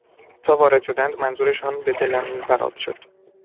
تا وارد شدند منظورشان به دلم برات شد.